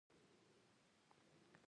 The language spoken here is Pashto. څوک الله یاد کړي، زړه یې ارام شي.